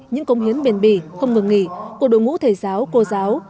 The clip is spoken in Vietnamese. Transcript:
những công hiến bền bỉ không ngừng nghỉ của đội ngũ thầy giáo cô giáo